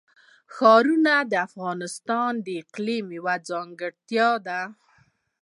ښارونه د افغانستان د اقلیم یوه ځانګړتیا ده.